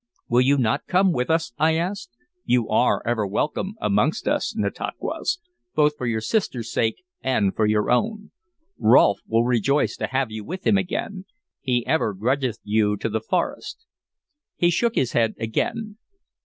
"Will you not come with us?" I asked. "You are ever welcome amongst us, Nantauquas, both for your sister's sake and for your own. Rolfe will rejoice to have you with him again; he ever grudgeth you to the forest." He shook his head again.